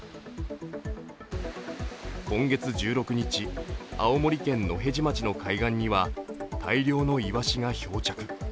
今月１６日、青森県野辺地町の海岸には大量のイワシが漂着。